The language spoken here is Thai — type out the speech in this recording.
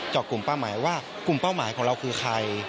อกกลุ่มเป้าหมายว่ากลุ่มเป้าหมายของเราคือใคร